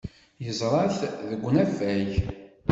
Yeẓra-t deg unafag.